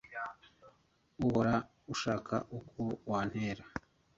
uhora ushaka uko wantera